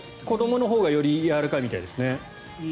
子どものほうがよりやわらかいみたいですね。